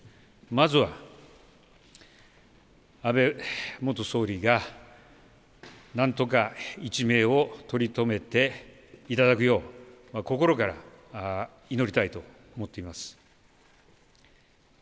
まずは安倍元総理がなんとか一命を取り留めていただくよう、心から祈りたいと思っています。